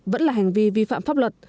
vẫn là hành vi vi phạm rộ